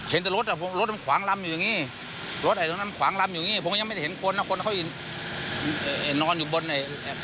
มันแรงแม้แรงไม่ได้ยินเสียงเบรกเลยน่ะ